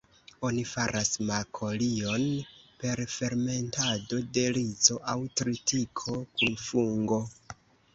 Oni faras makolion per fermentado de rizo aŭ tritiko kun fungo.